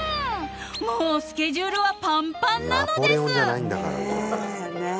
［もうスケジュールはぱんぱんなのです］